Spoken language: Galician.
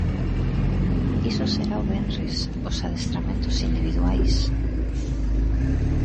Iso será o venres, os adestramentos individuais.